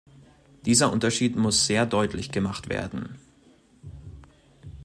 Dieser Unterschied muss sehr deutlich gemacht werden.